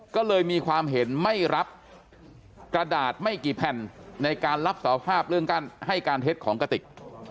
ก็เลยมีความเห็นไม่รับกระดาษไม่กี่แผ่นในการรับสาภาพเรื่องการให้การเท็จของกระติก